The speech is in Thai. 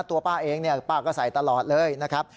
ตัวป้าเองเนี่ยป้าก็ใส่ตลอดเลยนะครับ